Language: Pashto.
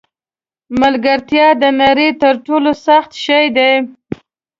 ملګرتیا د نړۍ تر ټولو سخت شی دی.